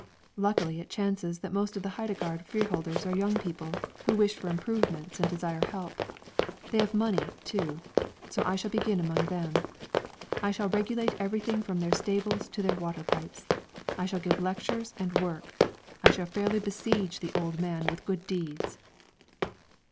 Luckily it chances that most of the Heidegard freeholders are young people who wish for improvements and desire help; they have money, too. So I shall begin among them. I shall regulate everything from their stables to their water pipes; I shall give lectures and work; I shall fairly besiege the old man with good deeds."